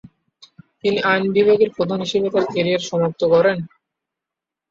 তিনি আইন বিভাগের প্রধান হিসাবে তার ক্যারিয়ার সমাপ্ত করেন।